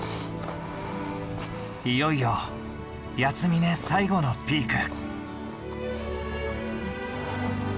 いよいよ八ツ峰最後のピーク。